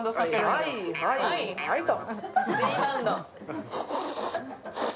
はいはいはいと。